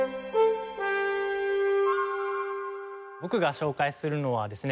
僕が紹介するのはですね